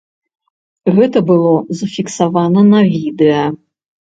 Гэта было зафіксавана на відэа.